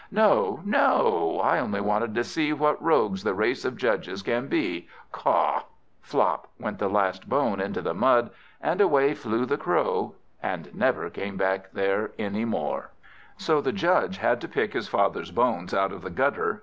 No, no; I only wanted to see what rogues the race of Judges can be. Caw!" Flop! went the last bone into the mud, and away flew the Crow, and never came back there any more. So the Judge had to pick his father's bones out of the gutter.